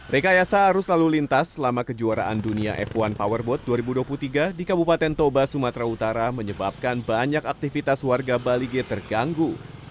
rekayasa arus lalu lintas selama kejuaraan dunia f satu powerboat dua ribu dua puluh tiga di kabupaten toba sumatera utara menyebabkan banyak aktivitas warga balige terganggu